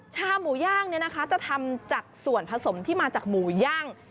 ชาหมูย่างจะทำจากส่วนผสมที่มาจากหมูย่าง